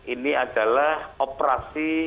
ini adalah operasi